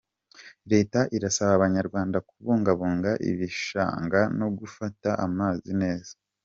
Leta irasaba Abanyarwanda kubungabunga ibishanga no gufata amazi neza